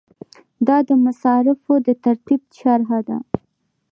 دا د مصارفو د ترتیب شرحه ده.